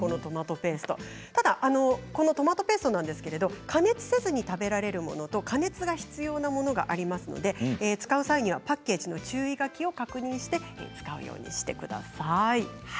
ただトマトペーストは加熱せずに食べられるものと加熱が必要なものがありますので使う際にはパッケージの注意書きを確認して使ってください。